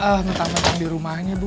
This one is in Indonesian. ah minta maafkan di rumahnya bu